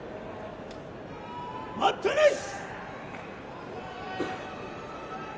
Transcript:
待ったなし。